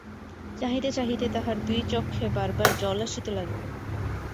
চাহিতে চাহিতে তাহার দুই চক্ষে বার বার জল আসিতে লাগিল।